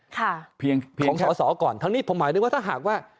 เพียงของสอสอก่อนทั้งนี้ผมหมายถึงว่าถ้าหากว่า